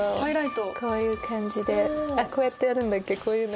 こういう感じでこうやってやるんだっけ？